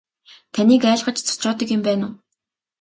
Таныг айлгаж цочоодог юм байна уу.